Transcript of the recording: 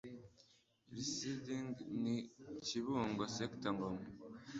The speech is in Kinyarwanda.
residing in kibungo sector ngoma